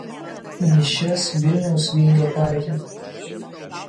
Mišias Vilniaus Vingio parke.